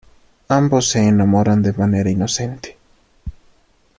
Ambos se enamoran de manera inocente.